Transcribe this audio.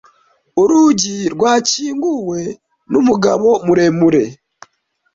Urugi rwakinguwe numugabo muremure.